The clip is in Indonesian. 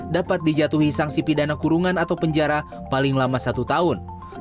dapat dijatuhi sanksi pidana kurungan atau penjara paling lama satu tahun